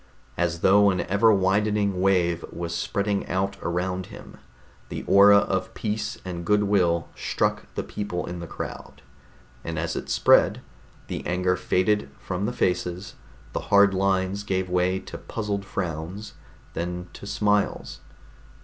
As though an ever widening wave was spreading out around him, the aura of peace and good will struck the people in the crowd. And as it spread, the anger faded from the faces; the hard lines gave way to puzzled frowns, then to smiles.